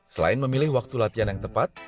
selain memilih waktu latihan yang tepat